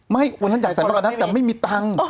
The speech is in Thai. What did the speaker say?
ไม่วันนั้นอยากใส่นกมานัดแต่ไม่มีตังค์